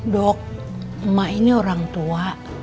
dok emak ini orang tua